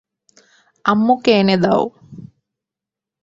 আম্মুকে এনে দাও!